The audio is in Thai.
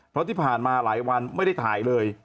เพราะที่ผ่านมาหลายวันไม่ได้ถ่ายเลย